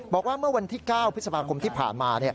บอกว่าเมื่อวันที่๙พฤษภาคมที่ผ่านมา